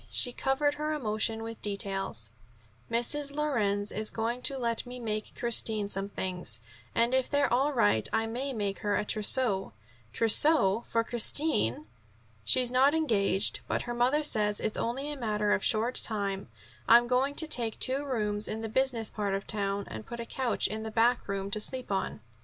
She covered her emotion with details: "Mrs. Lorenz is going to let me make Christine some things, and if they're all right I may make her trousseau." "Trousseau for Christine!" "She's not engaged, but her mother says it's only a matter of a short time. I'm going to take two rooms in the business part of town, and put a couch in the backroom to sleep on."